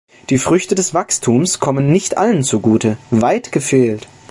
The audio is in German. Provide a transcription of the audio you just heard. Die Früchte des Wachstums kommen nicht allen zugute, weit gefehlt!